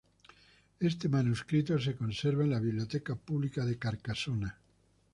Este manuscrito se conserva en la biblioteca pública de Carcasona.